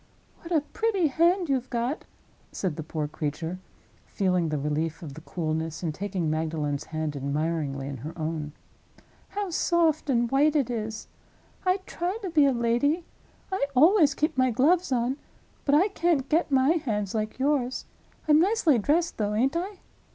"What a pretty hand you've got!" said the poor creature, feeling the relief of the coolness and taking Magdalen's hand, admiringly, in her own. "How soft and white it is! I try to be a lady; I always keep my gloves on—but I can't get my hands like yours. I'm nicely dressed, though, ain't I?